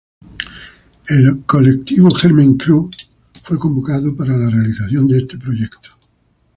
El colectivo Germen Crew, fue convocado para la realización de este proyecto.